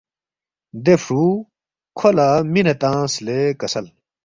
دے فرُو کھو لہ مِنے تنگس لے کسل